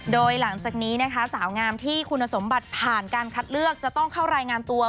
โดยหลังจากนี้นะคะสาวงามที่คุณสมบัติผ่านการคัดเลือกจะต้องเข้ารายงานตัว